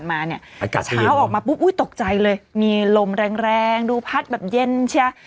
อากาศเช้าออกมาปุ๊บอุ๊ยตกใจเลยมีลมแรงดูพัดแบบเย็นเชีย